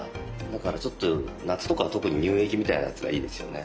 だからちょっと夏とかは特に乳液みたいなやつがいいですよね。